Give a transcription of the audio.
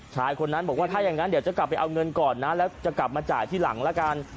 ชายคนนั้นบอกว่าถ้าอย่างนั้นเดี๋ยวจะกลับไปเอาเงินก่อนนะแล้วจะกลับมาจ่ายที่หลังละกัน